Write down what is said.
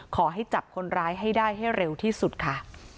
ขอให้จับคนร้ายให้ได้ให้เร็วที่สุดค่ะ